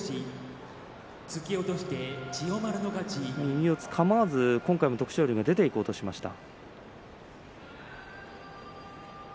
右四つかまわず徳勝龍出ていこうとしました。